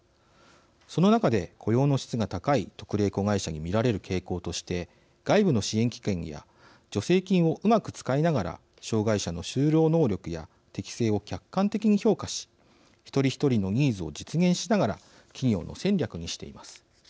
その中で、雇用の質が高い特例子会社に見られる傾向として外部の支援機関や助成金をうまく使いながら障害者の就労能力や適性を客観的に評価し一人一人のニーズを実現しながら企業の戦力にしています。